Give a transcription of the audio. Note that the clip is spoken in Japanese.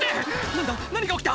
何だ何が起きた？」